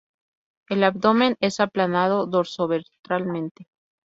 El abdomen es aplanado dorsoventralmente.